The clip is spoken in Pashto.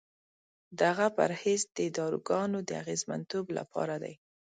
دغه پرهیز د داروګانو د اغېزمنتوب لپاره دی.